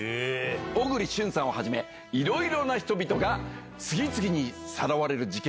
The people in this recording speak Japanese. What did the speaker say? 小栗旬さんをはじめ、いろいろな人々が、次々にさらわれる事件。